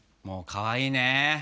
もうかわいいね。